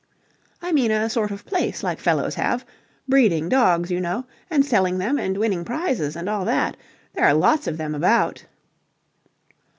"I mean a sort of place like fellows have. Breeding dogs, you know, and selling them and winning prizes and all that. There are lots of them about."